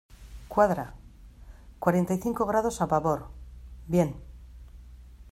cuadra. cuarenta y cinco grados a babor . bien .